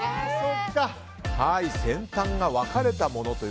先端が分かれたものと。